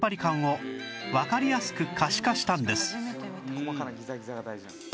「細かなギザギザが大事」